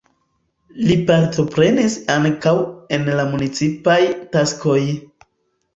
Li partoprenis ankaŭ en la municipaj taskoj.